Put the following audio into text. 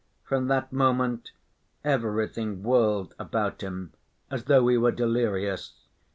From that moment everything whirled about him, as though he were delirious.